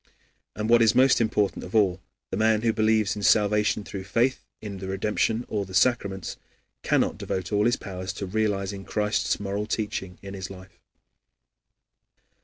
And what is most important of all the man who believes in salvation through faith in the redemption or the sacraments, cannot devote all his powers to realizing Christ's moral teaching in his life.